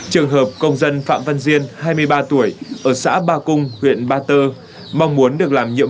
trường hợp công dân phạm văn diên hai mươi ba tuổi ở xã ba cung huyện ba tơ mong muốn được làm nhiệm